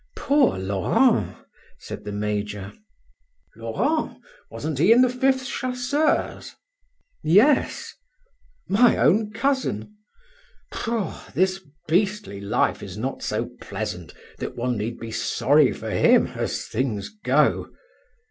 "Poor Laurent!" said the major. "Laurent! Wasn't he in the Fifth Chasseurs?" "Yes." "My own cousin. Pshaw! this beastly life is not so pleasant that one need be sorry for him as things go."